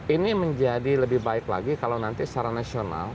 ini menjadi lebih baik lagi kalau nanti secara nasional